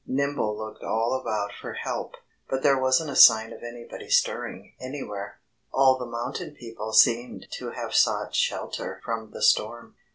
Nimble looked all about for help. But there wasn't a sign of anybody stirring, anywhere. All the mountain people seemed to have sought shelter from the storm.